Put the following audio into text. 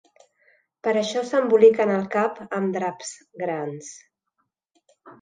Per això s"emboliquen el cap amb draps grans.